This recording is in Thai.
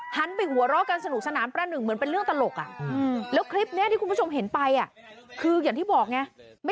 หันไปหัวเราะกันสนุกสนานประหนึ่งเหมือนเป็นเรื่องตลกอ่ะ